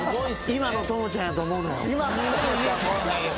今の朋ちゃんやと思うなよ